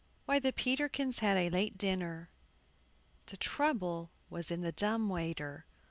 WHY THE PETERKINS HAD A LATE DINNER. THE trouble was in the dumb waiter.